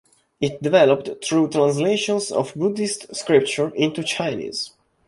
It developed through translations of Buddhist scripture into Chinese.